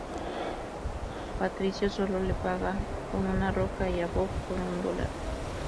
Patricio solo le paga con una roca y a Bob con un dólar.